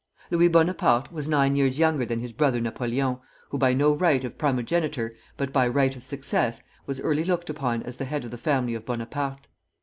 Louis Bonaparte was nine years younger than his brother Napoleon, who by no right of primogeniture, but by right of success, was early looked upon as the head of the family of Bonaparte.